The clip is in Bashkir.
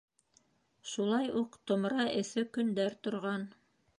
Шулай уҡ томра эҫе көндәр торған.